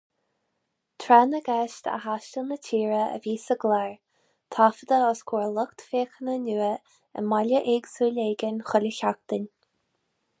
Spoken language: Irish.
Tráth na gceist a thaistil na tíre a bhí sa gclár, taifeadta os comhair lucht féachana nua i mbaile éagsúil éigin chuile sheachtain.